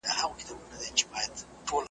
ظلم په محکمه کي .